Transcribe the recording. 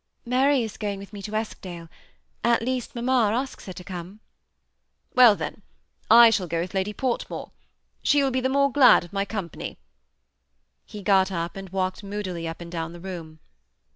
Mary is going with me to Eskdale, — at least, mam ma asks her to come." Well, then, I shall go with Lady Portmore; she will be the more glad of my company." He got up, and walked moodily up and down the room.